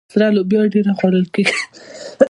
سره لوبیا ډیره خوړل کیږي.